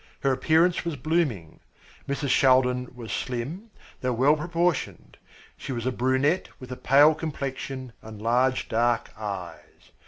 Her appearance was blooming. Mrs. Shaldin was slim, though well proportioned. She was a brunette with a pale complexion and large dark eyes.